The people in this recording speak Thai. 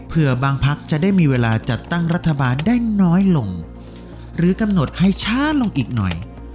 เพื่อบางพักจะได้มีเวลาจัดตั้งรัฐบาลได้น้อยลงหรือกำหนดให้ช้าลงอีกหน่อย